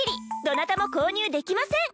どなたも購入できません